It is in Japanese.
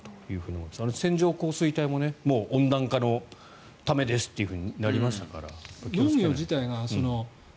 線状降水帯も温暖化のためですとなりましたから。